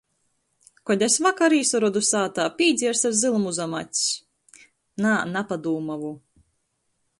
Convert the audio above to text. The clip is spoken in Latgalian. Kod es vakar īsarodu sātā pīdziers ar zylumu zam acs?... -Nā, napadūmuoju.